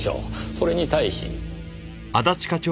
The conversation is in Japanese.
それに対し。